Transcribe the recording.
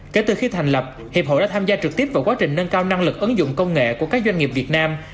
kể từ khi thành lập hiệp hội đã tham gia trực tiếp vào quá trình nâng cao năng lực ứng dụng công nghệ của các doanh nghiệp việt nam